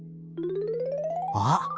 あっ。